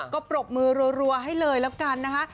ก็ปรบมือรัวให้เลยแล้วกันนะคะ